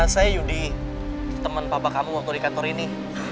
saya yudi teman papa kamu waktu di kantor ini